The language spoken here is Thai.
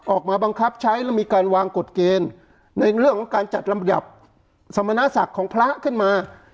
ออกมาบังคับใช้แล้วมีการวางกฎเกณฑ์ในเรื่องของการจัดลำดับสมณศักดิ์ของพระขึ้นมา